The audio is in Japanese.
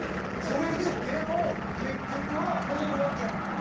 それででも結局は戻るわけやんか。